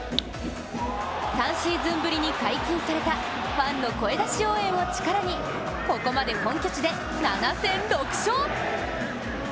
３シーズンぶりに解禁されたファンの声出し応援を力にここまで本拠地で７戦６勝。